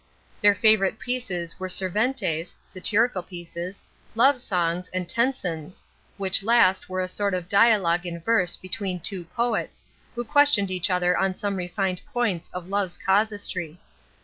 Their favorite pieces were Sirventes (satirical pieces), love songs, and Tensons, which last were a sort of dialogue in verse between two poets, who questioned each other on some refined points of loves' casuistry.